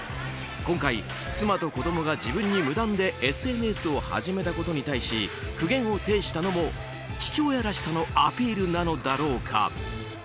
今回、妻と子供が自分に無断でＳＮＳを始めたことに対し苦言を呈したのも父親らしさのアピールなのか。